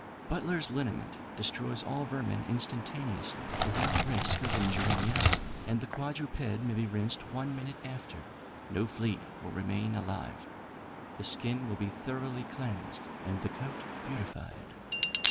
'Butler's Liniment' destroys all vermin instantaneously, without risk of injuring the animal; and the quadruped may be rinsed one minute after. No flea will remain alive; the skin will be thoroughly cleansed, and the coat beautified.